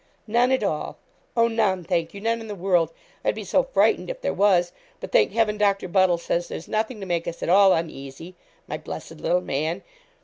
'None at all; oh, none, thank you; none in the world. I'd be so frightened if there was. But, thank Heaven, Doctor Buddle says there's nothing to make us at all uneasy. My blessed little man!